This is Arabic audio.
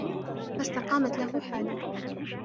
فَاسْتَقَامَتْ لَهُ حَالُهُ